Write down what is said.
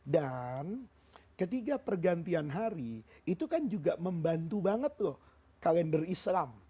ketiga pergantian hari itu kan juga membantu banget loh kalender islam